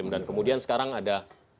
dan kemudian sekarang ada